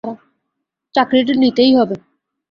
চাকরিটা নিতেই হবে।